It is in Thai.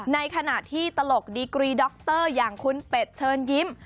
ในขณะที่ตลกดีกรีดรอย่างคุณเป็ดเชิญยิ้ม